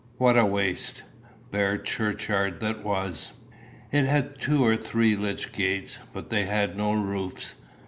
What a waste, bare churchyard that was! It had two or three lych gates, but they had no roofs.